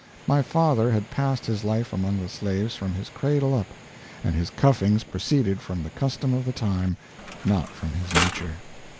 My father had passed his life among the slaves from his cradle up, and his cuffings proceeded from the custom of the time, not from his nature.